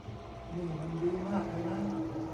นี่มันดีมากเลยนะ